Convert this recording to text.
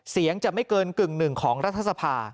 เสียงจะไม่เกินกึ่งหนึ่งของรัฐสภา